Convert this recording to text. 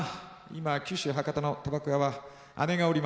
今九州博多のたばこ屋は姉がおります。